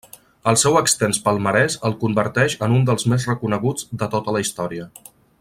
El seu extens palmarès el converteix en un dels més reconeguts de tota la història.